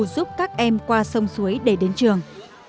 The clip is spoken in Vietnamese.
cơ hội là cơ hội để giúp các em qua sông suối để đến trường